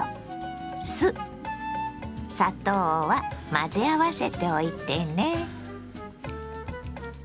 混ぜ合わせておいてね。